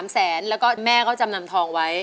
๓แสนแล้วก็แม่ก็จำนำทองไว้